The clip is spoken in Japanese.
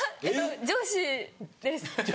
上司です。